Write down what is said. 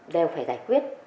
đều phải giải quyết